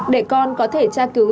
để con có thể tra cứu